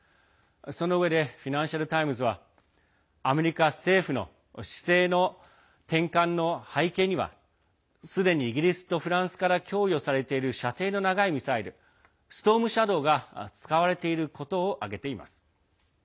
そのうえでフィナンシャル・タイムズはアメリカ政府の姿勢の転換の背景にはすでにイギリスとフランスから供与されている射程の長いミサイル「ストームシャドー」が使われていることを挙げています。